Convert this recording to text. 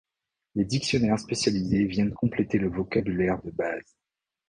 Des dictionnaires spécialisés viennent compléter le vocabulaire de base.